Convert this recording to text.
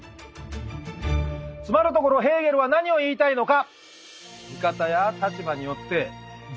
つまるところヘーゲルは何を言いたいのか？